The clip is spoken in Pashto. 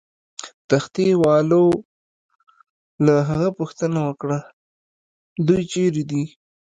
تختې والاو له هغه پوښتنه وکړه: دوی چیرې دي؟